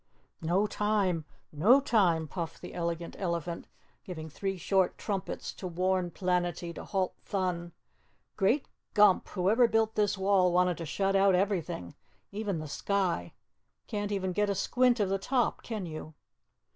"No time, no time," puffed the Elegant Elephant, giving three short trumpets to warn Planetty to halt Thun. "Great Grump! whoever built this wall wanted to shut out everything, even the sky. Can't even get a squint of the top, can you?"